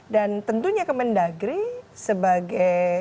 dan tentunya kemendagri sebagai